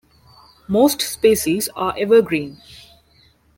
Most species are evergreen.